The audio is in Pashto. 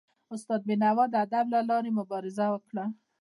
استاد بینوا د ادب له لاري مبارزه وکړه.